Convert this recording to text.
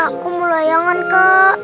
aku mau layangan kak